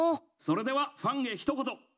それではファンへひと言！